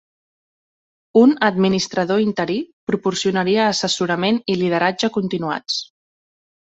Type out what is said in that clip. Un "administrador interí" proporcionaria assessorament i lideratge continuats.